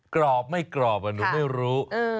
กรอบไม่กรอบหนูไม่รู้